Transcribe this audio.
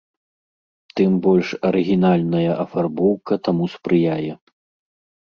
Тым больш арыгінальная афарбоўка таму спрыяе.